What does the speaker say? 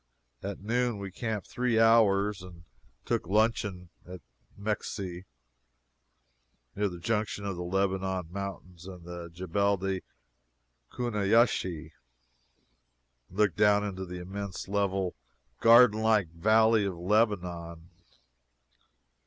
At noon we camped three hours and took luncheon at Mekseh, near the junction of the Lebanon Mountains and the Jebel el Kuneiyiseh, and looked down into the immense, level, garden like Valley of Lebanon.